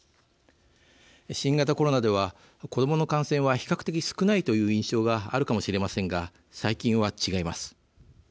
新型コロナでは子どもの感染は比較的少ないという印象があるかもしれませんが最近は違います。